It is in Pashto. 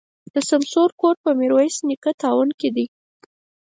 د سمسور کور په ميروایس نیکه تاون کي دی.